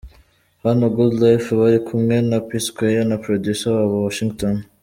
Hano Good Life bari kumwe na P Sqaure na Producer wabo Washington.